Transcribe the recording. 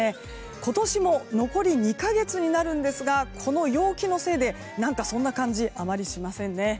今年も残り２か月になるんですがこの陽気のせいで何かそんな感じあまりしません。